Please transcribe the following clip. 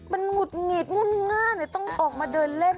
มันหงุดหงิดงุ่นง่าเลยต้องออกมาเดินเล่น